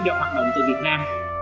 do hoạt động từ việt nam